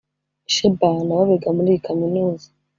Shebah na bo biga muri iyi Kaminuza